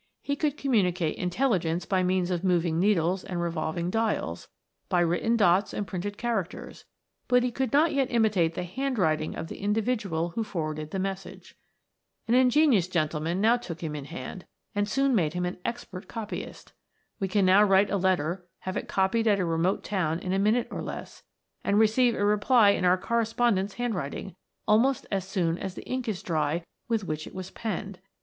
He could communicate intelligence by means of moving needles and revolving dials, by written dots and printed characters, but he could not yet imitate the handwriting of the individual who forwarded the message. An ingenious gen tleman now took him in hand, and soon made him an expert copyist. We can now write a let ter, have it copied at a remote town in a minute or less, and receive a reply in our correspondent's handwriting, almost as soon as the ink is dry with which it was penned